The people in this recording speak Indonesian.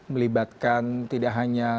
melibatkan tidak hanya